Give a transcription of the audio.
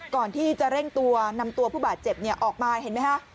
ก่อนที่จะเร่งตัวนำตัวผู้บาดเจ็บออกมาเห็นไหมฮะ